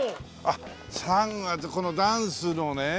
あっ３月このダンスのね。